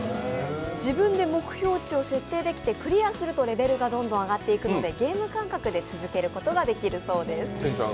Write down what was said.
自分で目標値を設定できてクリアするとレベルがどんどん上がっていくのでゲーム感覚で続けることができるそうです。